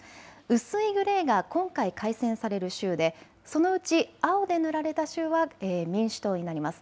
薄いグレーが今回改選される州でそのうち青で塗られた州は民主党になります。